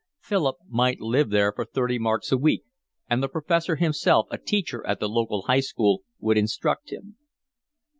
Philip might live there for thirty marks a week, and the Professor himself, a teacher at the local high school, would instruct him.